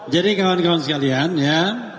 jadi kawan kawan sekalian ya